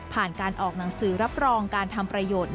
การออกหนังสือรับรองการทำประโยชน์